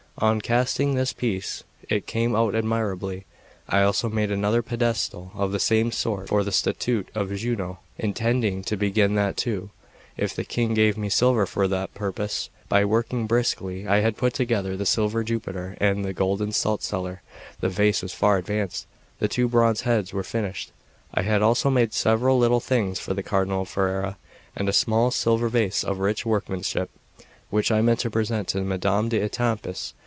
On casting this piece it came out admirably. I also made another pedestal of the same sort for the statute of Juno, intending to begin that too, if the King gave me silver for the purpose. By working briskly I had put together the silver Jupiter and the golden salt cellar; the vase was far advanced; the two bronze heads were finished. I had also made several little things for the Cardinal of Ferrara, and a small silver vase of rich workmanship, which I meant to present to Madame d'Etampes.